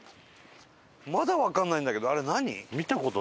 まだわかんないんだけどあれ何？